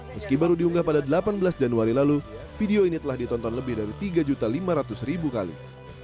meski baru diunggah pada delapan belas januari lalu video ini telah ditonton lebih dari tiga lima ratus kali